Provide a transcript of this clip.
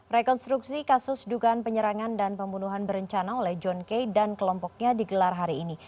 rekonstruksi kasus dugaan penyerangan dan pembunuhan berencana oleh john kay dan kelompoknya digelar hari ini